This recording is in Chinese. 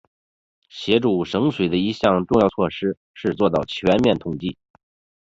协助省水的一项重要措施是做到全面统计。